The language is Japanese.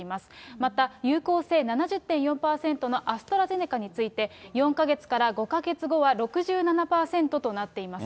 また、有効性７０．４％のアストラゼネカについて、４か月から５か月後は６７％となっています。